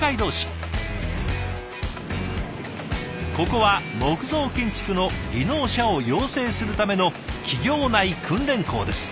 ここは木造建築の技能者を養成するための企業内訓練校です。